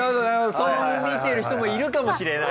そう見てる人もいるかもしれない。